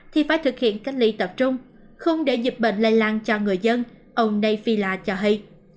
thì phải thực hiện cách ly tập trung không để dịch bệnh lây lan cho người dân ông day filla cho hay